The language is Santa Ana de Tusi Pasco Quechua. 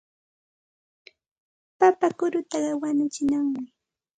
Papa kurutaqa wañuchinam.